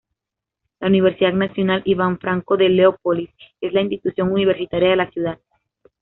La Universidad Nacional Ivan Franko de Leópolis es la institución universitaria de la ciudad.